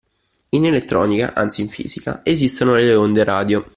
In elettronica, anzi in fisica, esistono le onde radio